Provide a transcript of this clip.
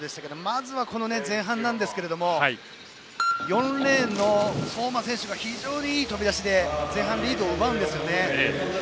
まず前半なんですけれども４レーンの相馬選手が非常にいい飛び出しで前半リードを奪うんですよね。